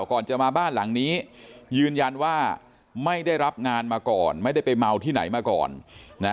ก่อนจะมาบ้านหลังนี้ยืนยันว่าไม่ได้รับงานมาก่อนไม่ได้ไปเมาที่ไหนมาก่อน